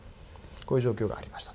こういう状況がありました。